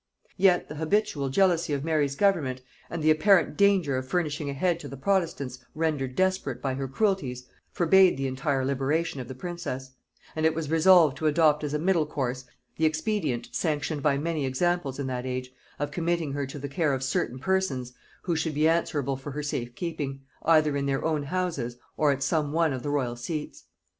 Yet the habitual jealousy of Mary's government, and the apparent danger of furnishing a head to the protestants rendered desperate by her cruelties, forbade the entire liberation of the princess; and it was resolved to adopt as a middle course the expedient sanctioned by many examples in that age, of committing her to the care of certain persons who should be answerable for her safe keeping, either in their own houses, or at some one of the royal seats.